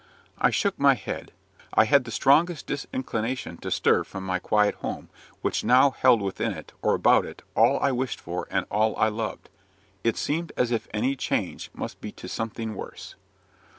I shook my head. I had the strongest disinclination to stir from my quiet home, which now held within it, or about it, all I wished for and all I loved. It seemed as if any change must be to something worse.